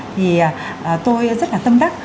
thì tôi rất là tâm đắc